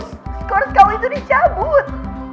skor kau itu dicabut